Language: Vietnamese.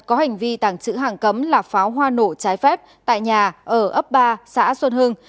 có hành vi tàng trữ hàng cấm là pháo hoa nổ trái phép tại nhà ở ấp ba xã xuân hưng